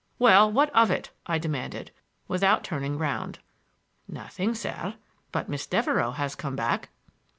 "Well, what of it?" I demanded, without turning round. "Nothing, sir; but Miss Devereux has come back!"